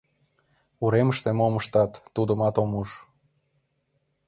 Уремыште мом ыштат, тудымат ом уж.